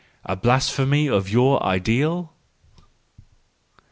A blasphemy of your ideal